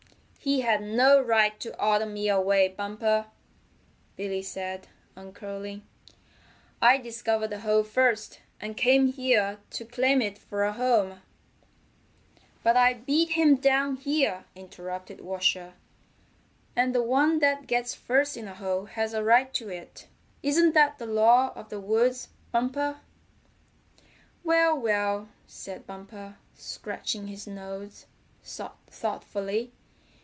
"He had no right to order me away, Bumper," Billy said, uncurling. "I discovered the hole first, and came here to claim it for a home." "But I beat him down here," interrupted Washer, "and the one that gets first in a hole has a right to it. Isn't that the law of the woods, Bumper?" "Well, well!" said Bumper, scratching his nose thoughtfully.